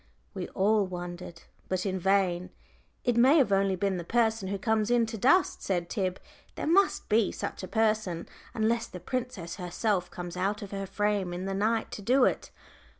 We all wondered, but in vain. "It may have only been the person who comes in to dust," said Tib; "there must be such a person, unless the princess herself comes out of her frame in the night to do it.